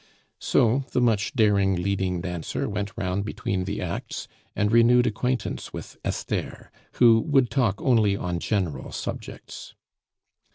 So the much daring leading dancer went round between the acts and renewed acquaintance with Esther, who would talk only on general subjects.